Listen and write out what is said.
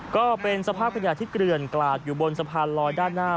ก็เป็นสภาพขยะที่เกลื่อนกลาดอยู่บนสะพานลอยด้านหน้า